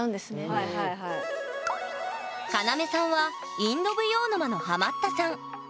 カナメさんはインド舞踊沼のハマったさん。